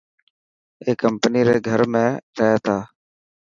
اي ڪمپني ري گهر ۾ رهي تا.